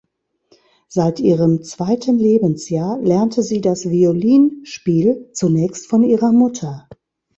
Seit ihrem zweiten Lebensjahr lernte sie das Violinspiel, zunächst von ihrer Mutter.